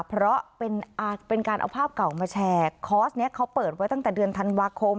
เพราะเป็นการเอาภาพเก่ามาแชร์คอร์สนี้เขาเปิดไว้ตั้งแต่เดือนธันวาคม